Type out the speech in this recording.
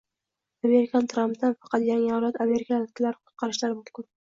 Amerikani Trampdan faqat yangi avlod amerikaliklari qutqarishi mumkin